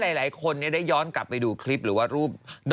ถ้าหลายคนได้ย้อนกลับกลับดูคลิป